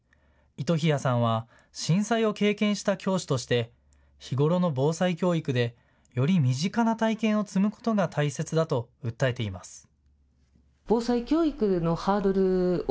糸日谷さんは震災を経験した教師として日頃の防災教育でより身近な体験を積むことが大切だと訴えています。